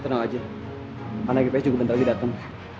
tenang aja anak itu juga bentar lagi datang